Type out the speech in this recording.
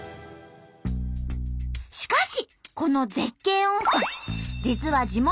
しかしこの絶景温泉